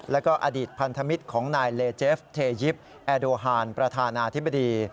แล้วก็อดีตพันธมิตรของนายเลเจฟเทยิปแอโดฮานประธานาธิบดี